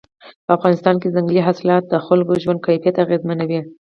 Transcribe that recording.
په افغانستان کې ځنګلي حاصلات د خلکو ژوند کیفیت اغېزمنوي.